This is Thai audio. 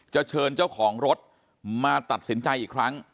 เชิญเจ้าของรถมาตัดสินใจอีกครั้ง